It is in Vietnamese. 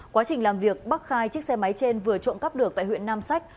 quá trình làm việc bắc khai chiếc xe máy trên vừa trộm cắp được tại huyện nam sách